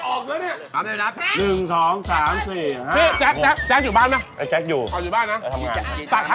คำได้แล้ว